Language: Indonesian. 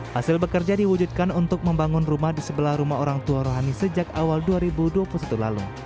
hasil bekerja diwujudkan untuk membangun rumah di sebelah rumah orang tua rohani sejak awal dua ribu dua puluh satu lalu